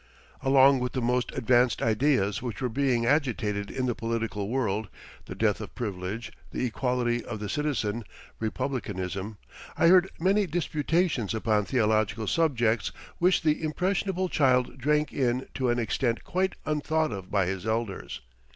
Along with the most advanced ideas which were being agitated in the political world the death of privilege, the equality of the citizen, Republicanism I heard many disputations upon theological subjects which the impressionable child drank in to an extent quite unthought of by his elders.